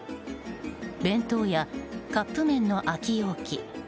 弁当やカップ麺の空き容器